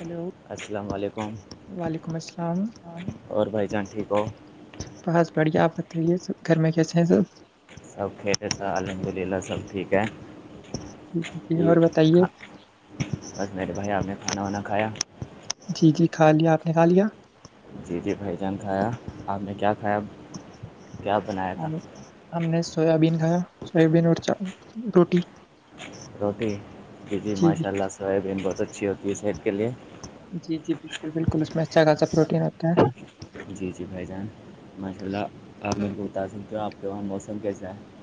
hello السلام علیکم اور بھائی جان ٹھیک ہو بہس بڑھیا آپ بتائیے س گھر میں کیسے ہیں سر سب کھیل ہے تھا الحمد للہ سب ٹھیک ہے یہ بس میرے بھائی آپ نے کھانا وانا کھایا جی جی کھا لیا آپ نے کھا لیا جی جی بھائی جان کھایا آپ نے کیا کھایا کیا بنایا تھا ہم نے سویابین کھایا سویابین اور روٹی روٹی جی ماشاء اللہ سوب بہت اچھی ہوتی ہے سٹ کے لیے جی جی بالکل بالکل اس میں اچھا خاصا پروٹین ہوتا ہے جی جی بھائی جان ماشاء اللہ آپ میرے کو بتا سکتے ہو آپ کے وہاں موسم کیسا ہے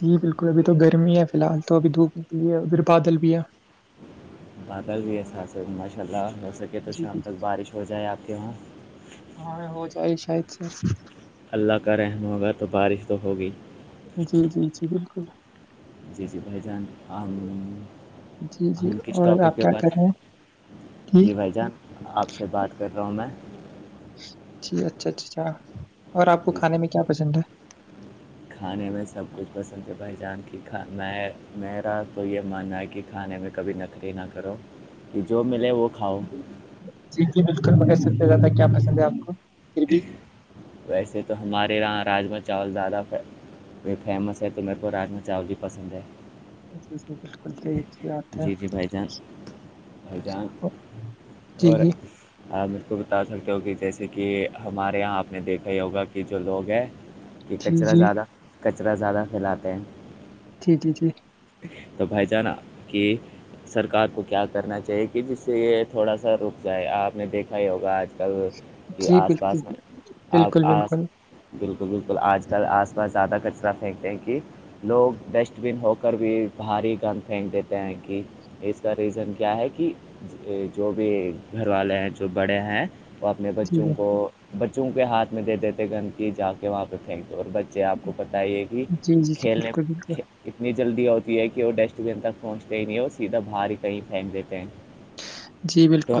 جی بالکل ابھی تو گرمی ہے فی الحال تو ابھی دھوپ نکلی ہے پھر بادل بھی ہے بادل بھی احساس ہے ماشاء اللہ ہو سکے تو شام تک بارش ہو جائے آپ کے وہاں ہاں ہو جائے شاید سے اللہ کا رحم ہوگا تو بارش تو ہوگی جی جی جی بالکل جی جی بھائی جان ہم ہم کس ٹاپک پہ بت جی بھائی جان آپ سے بات کر رہا ہوں میں جی اچھا اچھا اچھا اور آپ کو کھانے میں کیا پسند ہے کھانے میں سب کچھ پسند ہے بھائی جان کی کھ میں میرا تو یہ ماننا ہے کہ کھانے میں کبھی نقری نہ کرو کہ جو ملے وہ کھاؤ جی جی بالکل مے سب سے زیادہ کیا پسند ہے آپ کو ویسے تو ہمارے یہاں راجما چاول زیادہ یہ فیمس ہے تو میرے کو راجما چاول بھی پسند ہے یہ چیز ک کرتا بات ہے جی جی مجھ کو بتا سکتے ہو کہ جیسے کہ ہمارے یہاں آپ نے دیکھا ہی ہوگا کہ جو لوگ ہیں کہ کچرا زیادہ کچرا زیادہ پھیلاتے ہیں جی جی جی تو بھائی جانا کہ سرکار کو کیا کرنا چاہیے کہ جس سے یہ تھوڑا سا رک جائے آپ نے دیکھا ہی ہوگا آج کل کہ آس پاس میں آپ آ بالکل بالکل آج کل آس پاس زیادہ کچرا پھینکتے ہیں کہ لوگ ڈسٹ بن ہو بھی بھاری گند پھینک دیتے ہیں کہ اس کا ریزن کیا ہے کہ جو بھی گھر والے ہیں جو بڑے ہیں وہ اپنے بچوں کو بچوں کے ہاتھ میں دے دیتے گھر کی جا کے وہاں پہ تھینکی اور آپ کو پت ہیے کہ کھیلنے اتنی جلدی ہوتی ہے کہ وہ ڈسٹ بن تک پہنچتے ہی نہیں اور سیدھا باہر ہی کہیں پھینک دیتے ہیں تو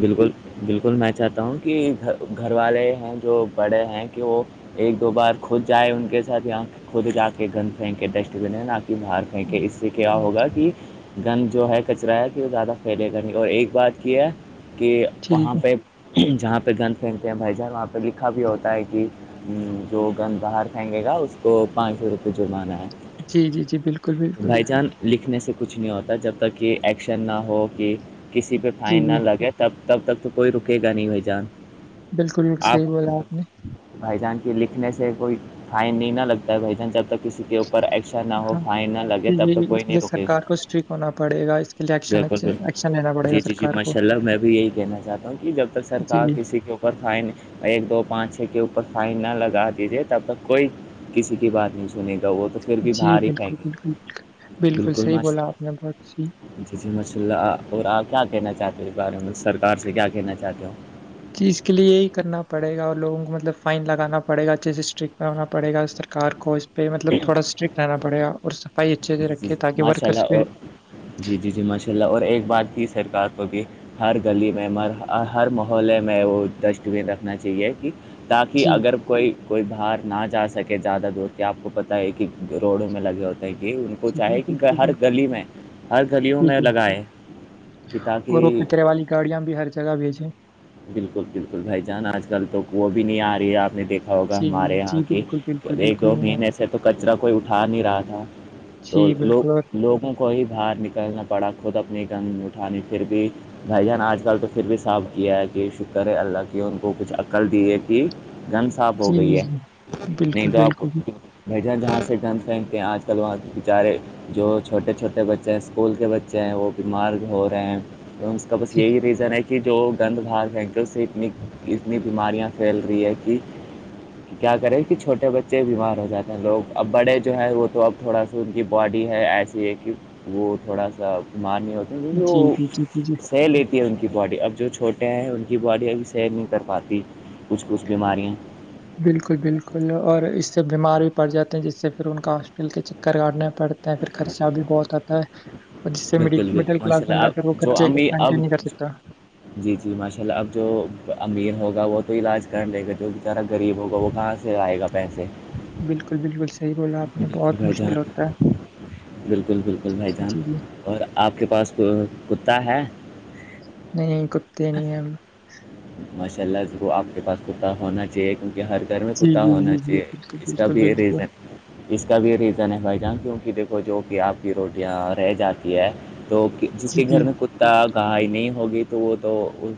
بالکل بالکل میں چاہتا ہوں کہھر گھر والے ہیں جو بڑے ہیں کہ وہ ایک دو بار خود جائے ان کے ساتھ یہاں خود جا کے گند پھینکے ڈسٹ بین ہے نہ کہ باہر پھینکے اس سے کیا ہوگا کہ گند جو ہے کچرا ہے کہ وہ زیادہ پھیلے گا نہیں اور ایک بات یہ ہے کہ وہاں پہ جہاں پہ گند پھینکتے ہیں بھائی جان وہاں پہ لکھا بھی ہوتا ہے کہ ہاں جو گند باہر پھینگے گا اس کو پانچ سو روپئے جرمانا ہے جی جی جی بالکل بالکل لکھنے سے کچھ نہیں ہوتا جب تک کہ ایکشن نہ ہو کہ کسی پہ فائن نہ لگے تب تب تک تو کوئی رکے گا نہیں ب جان بالکل بالکل صحیح بولا آپ نے بھائی جان کے لکھنے سے کوئی فائن نہیں نہ لگتا ہے بھائی جان جب تک کسی کےو ایکشن نہ ہو فائن نہ لگے تب تک کوئی نہیں رکے گا بالکل بالکل جی جی جی ماشاء اللہ میں بھی یہی کہنا چاہتا ہوں کہ جب تک سرکار کسی کے فائن ایک دو پانچ چھ کے اوپر فائن نہ لگا دیجیے تب تک کوئی کسی کی بات نہیں سنے گا وہ تو جی بالکل بالکل بکل بالکل صحیح بولا آپ نے بہت سی جی جی ماشاء اللہ اور آپ کیا کہنا چاہتے ہو اس بارے میں سرکار سے کیا کہنا چاہتے ہو چیز کے لیے یہ کرنا پڑے گا اور لوگوں کو مطلب فائن لگانا پڑ گا اچھے سے اسٹرکٹ ہونا پڑے گا سرکار کو اس پہ مطلب تھوڑا اسٹرکٹ رہنا پڑے گا اور پائی اچھے سے رکھے تاک کہ ورکرس بھی جی جی جی ماشاء اللہ اور ایک بات کی سرکار کو بھی ہر گلی میں مر ہر محلے میں وہ ڈسٹ بین رکھنا چاہیے کہ تاکہ اگر کوئی کوئی باہر نہ جا سکے زیادہ دور کے آپ کو پت ہے کہ روڈوں میں لگے ہوتے ہیں کہ ان کو چاہے کہ ہر گلی میں ہر گلیوں میں لگائے کہ تاکہ ککرے والی گاڑیاں بھی ہر جگہ بھیجیں بالکل بالکل بھائی جان آج کل تو وہ بھی نہیں آ رہی ہے آپ نے دیکھ ہوگا ہمارے یہاں کی ایک دو مہینے سے تو کچرا کوئی اٹھا نہیں رہا تھا تو لوگ لوگوں کو ہی باہر نکلنا پڑا خود اپنی گنگ میں اٹھانی پھر بھی بھائی جان آج کل تو پھر بھی صاف کیا ہے کہ شکر ہے اللہ کی ان کو کچھ عقل دی ہے کہ گند صاف ہو گئی ہے نہیں تو آپ کو بھ جاں جہاں سے جن پہنکتے ہیں آج کل وہاں بےچارے جو چھوٹے چھوٹے بچے اسکول کے بچے ہیں وہ بیمار ہو رہے ہیں بس یہی ریزن ہے کہ جو گند بھار فینکر سے اتنی اتنی بیماریاں پھیل رہی ہے کہ کیا کریں کہ چھوٹے بچے بیمار ہو جاتے ہیں لوگ اب بڑے جو ہیں وہ تو اب تھوڑا سا ان کی باڈی ہے ایسے ہے کہ وہ تھوڑا سا ماننی ہوتے ہیں کیہ وہ سہ لیتے ان کی باڈی اب جو چھوٹے ہیں ان کی باڈی ابھی سییر نہیں کر پاتی کچھ کچھ بیماریاں بالکل بالکل اور اس سے بیمار بھی پڑ جاتے ہیں جس سے پھر ان کا ہاسپٹل کے چکر کاٹنے پڑتا ہے پھر خرچہ بھی بہت آتا ہے اور جس سے مڈل کلاس بندہ پھر وہ خرچے مینٹین نہیں کر سکتا جی جی ماشاء اللہ اب جو امیر ہوگا وہ تو علاج کر دے گا جو بچارا غریب ہوگا وہ کہاں سے آئے گا ویسے بالکل بالکل صحیح بولا آپ نے بہت مشکل ہوتا ہے بالکل بالکل بھائی جان اور آپ کے پاس کتا ہے نہیں کتے نہیں ہیں ہم ماشاء اللہ ضر آپ کے پاس کتا ہونا چاہیے کیونکہ ہر گھر میں کتا ہونا چاہیے اس کا بھی ریزن ہے اس کا بھی ریزن ہے بھائی جاناں کیونکہ دیکھو جو کہ آپ کی روٹیاں رہ جاتی ہے تو جس کے گھر میں کتا گہائی نہیں ہوگی تو وہ تو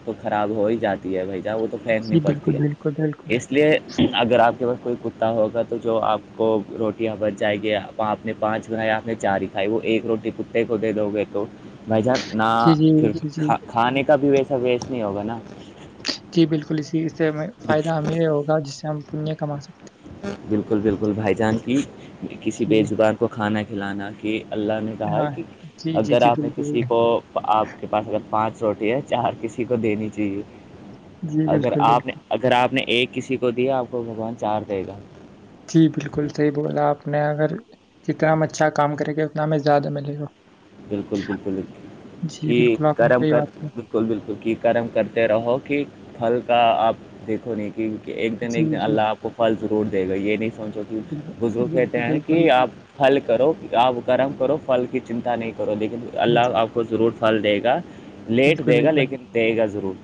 کو خراب ہو ہی جاتی ہے بھائی جان وہ تو پھینکنی پڑتی ہے اس لیے اگر آپ کے پاس کوئی کتا ہوگا تو جو آپ کو روٹیاں بن جائیں گی آپ نے پانچ بنیا آپ نے چار ہی کھائی وہ ایک روٹی کتے کو دے دو گے تو بھ جان نہ پھر کھانے کا بھی ویسا ویسٹ نہیں ہوگا نا جی بالکل اسی سے فائدہ ہمیں ہوگا جس سے ہم پنیہ کما سکتے ہیں بالکل بالکل بھائی جان کی کسی بے زبار کو کھانا کھلانا کہ اللہ نے کہا ہے کہ اگر آپ نے کسی کو آپ کے پاس اگر پانچ روٹی ہے چار کسی کو دینی چاہیے اگر آپ نے اگر آپ نے ایک کسی کو دیا آپ کو بھگوان چار دے گا جی بالکل صحیح بولا آپ نے اگر جتنا ہم اچھا کام کریں گے اتنا ہمیں زیادہ ملے گا بالکل بالکل کی کرم کر بالکل بالکل کی کرم کرتے رہو کہ پھل کا آپ دیکھو نہیں کیونکہ ایک دن ایک دن اللہ آپ کو پھل ضرور دے گا یہ نہیں سوچو کہ بزرگ کہتے ہیں کہ آپ پھل کرو آپ گرم کرو پھل کی چنتا نہیں کرو لیکن اللہ آپ کو ضرور پھل دے گا لیٹ دے گا لیکن دے گا ضرور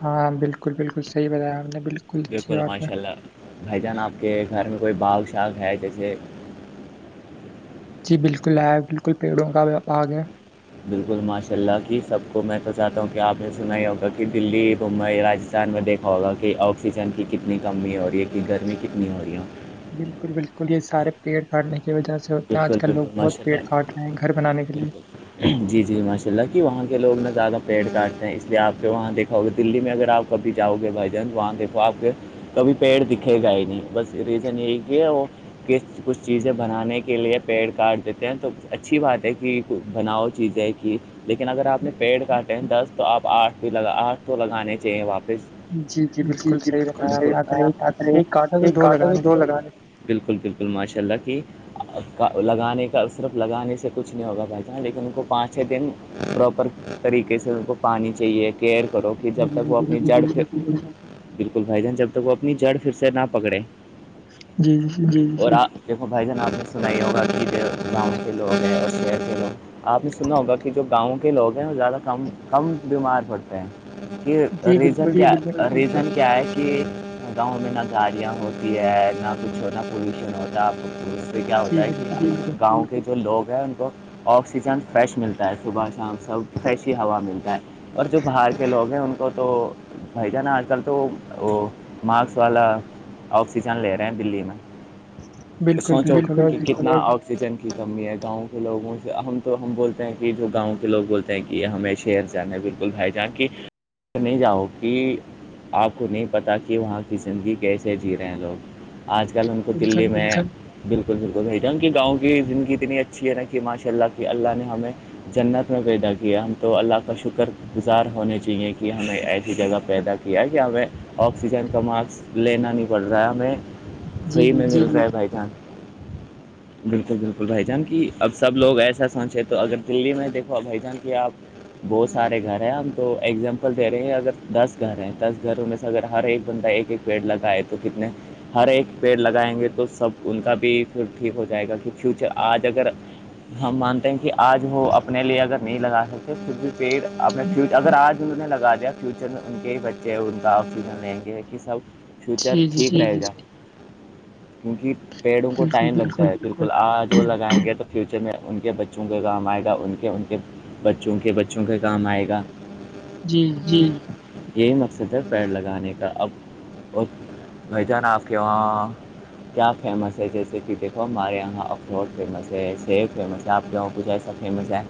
ہاں بالکل بالکل صحی بتایا ہم نے بالکل بالکل ماشاء اللہ بھائی جان آپ کے گھر میں کوئی باغ شاغ ہے جیسے جی بالکل ہے بالکل پیڑوں کا باگ ہے بالکل ماشاء اللہ کی سب کو میں تو چاہتا ہوں کہ آپ نے سنا ہی ہوگا کہ دلی بمبئی راجھ چان میں دیکھا ہوگا کہ آکسیجن کی کتنی کمی ہو رہی ہے کہ گرمی کتنی ہو رہی ہے بالکل بالکل یہ سارے پیڑ کاٹنے کی وجہ سے ہوتے ہیں آج کل لوگ بہت پیڑ کاٹ رہے ہیں گھر بنانے کے لیے جی جی ماشاء اللہ کہ وہاں کے لوگ ن زیادہ پیٹ کاٹتے ہیں اس لیے آپ کے وہاں دیکھا ہوگا دلی میں اگر آپ کبھی چاہو گے بھائی جان وہاں دیکھو آپ کے کبھی پیڑ دکھے گا ہی نہیں بس ریزن یہی کہ وہ ک کچھ چیزیں بنانے کے کے لیے پیڑ کاٹ دیتے ہیں تو اچھی بات ہے کہ بناؤ چیزیں کہ لیکن اگر آپ نے پیڑ کاٹیں دس تو آپ آٹھ بھی لگا آٹھ سو لگانے چاہیے واپس جی جی بالکل صحی تھا ایک کانٹا بھی دو لگے بالکل بالکل ماشاء اللہ کی کا لگانے کا صرف لگانے سے کچھ نہیں ہوگا بھائی جان لیکن ان کو پانچ چھ دن پراپر طریقے سے ان کو پانی چاہیے کیئر کرو کہ جب تک وہ اپنی جڑ پہ بالکل بھائی جان جب تک وہ اپنی جڑ پھر سے نہ پکڑے اور دیکھو بھائی جان آپ نے سنائی ہوگا کہاؤں لو لو [unintelligible] آپ نے سنا ہوگا کہ جو گاؤں کے لوگ ہیں وہ زیادہ کم کم بیمار پڑتے ہیں کہ ریزن کیا ریزن کیا ہے کہ [unintelligible] گاؤں میں نہ گاڑیاں ہوتی ہے نہ کچھ ہونا پلیوشن ہوتا ہے آپ کو [unintelligible] کیا ہوتا ہے کہ گاؤں کے جو لوگ ہیں ان کو آکسیجن فریش ملتا ہے صبح شام سب فریش ہی ہوا ملتا ہے اور جو باہر کے لوگ ہیں ان کو تو بھائی ج نا آج کل تو وہ مارکس والا آکسیجن لے رہے ہیں دلی میں بالکل بالکل اور جی اتنا آکسیجن کی کمی ہے گاؤں کے لوگوں سے ہم تو ہم بولتے ہیں کہ جو گاؤں کے لوگ بولتے کہ ہمیں شر جانا بالکل بھائی جان کی نہیں جاؤ کہ آپ کو نہیں پتہ کہ وہاں کی زندگی کیسے جی رہے ہیں لوگ آج کل ان کو دلی میں بالل بالکل بھیجاؤں کی گاؤں زندگی اتنی اچھی ہے نا کہ ماشاء اللہ کی اللہ نے ہمیں جنت میں پیدا کیا ہم تو اللہ کا شکر گزار ہونے چاہیے کہ ہمیں ایسی جگہ پیدا کہ ہمیں آکسیجن کا ماسک لینا نہیں پڑ رہا ہے ہمیں صحیح مظ صاحب بھائی تھا بالکل بالکل بھائی جان کی اب سب لوگ ایسا سوچے تو اگر دللی میں دیکھو بھائی جان کہ آپ بہت سارے گھر ہیں ہم تو ایگزامپل دے رہے ہیں اگر دس گھر ہیں دس گھروں میں سے اگر ہر ایک بندہ ایک ایک پیڑ لگائے تو کتنے ہر ایک پیڑ لگائیں گے تو سب ان کا بھی ٹھیک ہو جائے گا کہ فیوچر آج اگر ہم مانتے ہیں کہ آج وہ اپنے لیے اگر نہیں لگا سکتے پھر بھی پیڑ اپنے فیوچر اگر آج انہ نے لگا دیا فیوچر ان کے ہی بچے اور ان کا فیوچر لیں گے کہ سب فیوچر ٹھیک رہے جا کیونکہ پیڑوں کو ٹائم لگتا ہے آج وہ لگائیں گے تو فیوچر میں ان کے بچوں کے کام آئے گا ان کے ان کے بچوں کے بچوں کے کام آئے گا جی جی یہی مقصد ہے پیڑ لگانے کا اب اور بھائی جان آپ کے وہاں کیا فیمس ہے جیسے کہ دیکو ہمارے یہاں اخروٹ فیمس ہے سیب فیمس ہے آپ کےاںوں کو جیسا فیمس ہے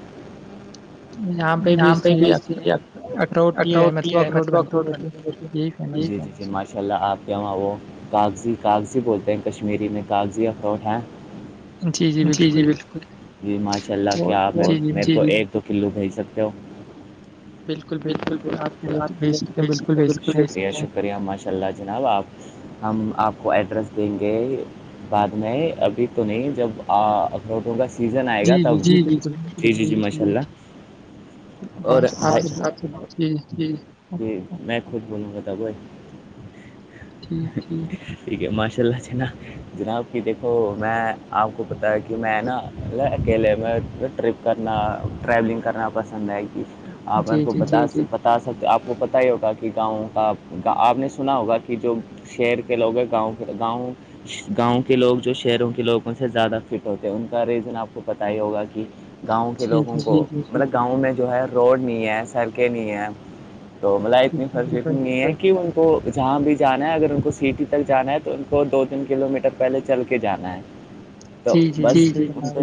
یہاں پہ بھیج دیجیے اب اخروٹی ہے مطب اخروٹ انشاء اللہ آپ کیااں وہ کاغذی کاغذی بولتے ہیں کشمیری میں کاغذی اخروٹ ہیں جی جی بالکل جی ماشاء اللہ کیا آپ تو کلو بھیج سکتے ہو بالکل بالکل شکریہ ماشاء اللہ جناب آپ ہم آپ کو ایڈریس دیں گے نہیں ابھی تو نہیں جب آ روٹوں کا سیزن آئے گا تب جی جی جی ماشاء اللہ اور اچھا جی میں خود بولوں گا بھائی ٹھیک ہے ٹھیک ہے ماشاء اللہ جناب کہ دیکھو میں آپ کو پتا کہ میں نا اکیلے میں ٹرپ کرنا ٹریولنگ کرنا پسند ہے کہ آپ ان کو بتا تا س آپ کو پتا ہی ہوگا کہ گاؤں کاؤ آپ نے سنا ہوگا کہ جو شہر کے لوگ ہیں گاؤں کے گاؤں گاؤں کے لوگ جو شہروں کے لوگوں سے زیادہ فٹ ہوتے ہیں ان کا ریزن آپ کو پتہ ہی ہوگا کہ گاؤں کے لوگوں کو مطلب گاؤں میں جو ہے روڈ نہیں ہے سڑکیں نہیں ہے تو ایت نہیں فرس نہیں ہے کہ جہاں بھی جانا ہے اگر ان کو سٹی تک جانا ہے تو ان کو دو تین کلو میٹرک پہلے چل کے جانا ہے تو بس ان کو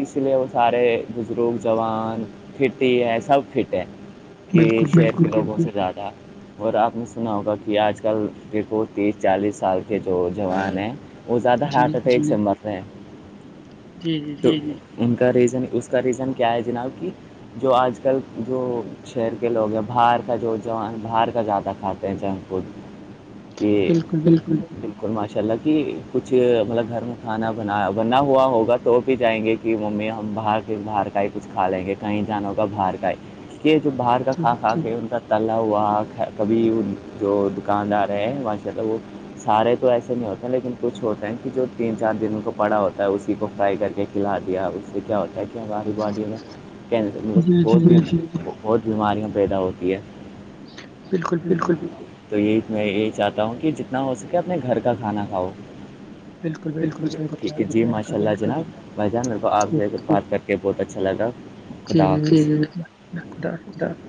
اس لیے وہ سارے بزرگ جوان فٹ ہی ہیں سب فٹ ہیں کہ لوگوں سے زیادہ اور آپ نے سنا ہوگا کہ آج کل دھو تیس چالیس سال کے جو جوان ہیں وہ زیادہ ہارٹ اٹیک سے مر رہ ہیں ان کا ریزن اس کا ریزن کیا ہے جناب کہ جو آج کل جو شہر کے لوگ ہیں باہر کا جو جوان باہر کا زیادہ کھاتے ہیں جنک فوڈ یہ بلکل بالکل ماشاء اللہ کہ کچھ مطلب گھر میں کھانا بنا بنا ہوا ہوگا تو بھی جائیں گے کہ ممی ہم باہر کے باہر کے ہی کچھ کھا لیں گے کہیں جانا ہوا باہر کا ہی اس جو باہر کا کھا کھا کے ان کا تا ہوا کبھی جو دکاندار ہے ماشاء اللہ وہ سارے تو ایسے نہیں ہوتے لیکن [inaudible] اری بھائی میں بہت ہی بہت بیماریاں پیدا ہوتی ہے بالکل بالکل تو یہ میں یہی چاہتا ہوں کہ جتنا ہو سکے اپنے گھر کا کھانا کھاؤ بالکل ٹھیک ہے جی ماشاء اللہ جناب بھائی جان میرے کو آپ سے بات کر کے بہت اچھا لگا خدا حافظ